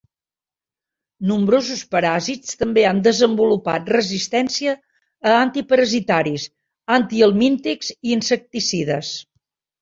Nombrosos paràsits també han desenvolupat resistència a antiparasitaris, antihelmíntics i insecticides.